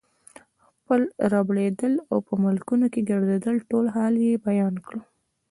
خپل ربړېدل او په ملکونو کې ګرځېدل ټول حال یې بیان کړ.